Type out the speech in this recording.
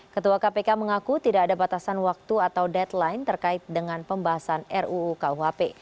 ketua kpk mengaku tidak ada batasan waktu atau deadline terkait dengan pembahasan ruu kuhp